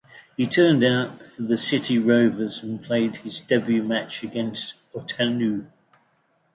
He turned out for the City Rovers and played his debut match against Otahuhu.